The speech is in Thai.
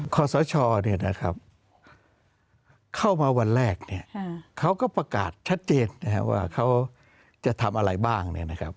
ขอสชเข้ามาวันแรกเขาก็ประกาศชัดเจนนะครับว่าเขาจะทำอะไรบ้าง